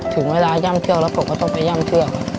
ถึงเวลาย่ำเชือกแล้วผมก็ต้องไปย่ำเชือก